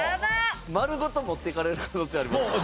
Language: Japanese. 丸ごと持っていかれる可能性ありますもんね。